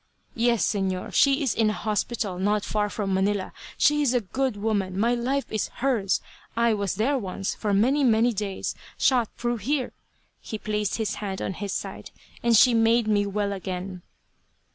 "Yes, Señor. She is in a hospital not far from Manila. She is a good woman. My life is hers. I was there once for many, many days, shot through here," he placed his hand on his side, "and she made me well again."